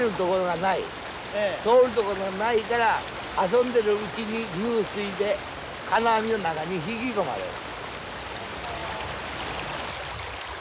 通る所ないから遊んでるうちに流水で金網の中に引き込まれる。